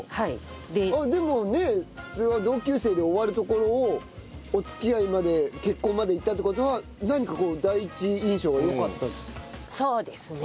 でもね普通は同級生で終わるところをお付き合いまで結婚までいったって事は何かこう第一印象がよかったんですか？